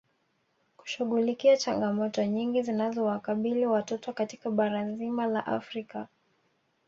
Kushughulikia changamoto nyingi zinazowakabili watoto katika bara zima la Afrika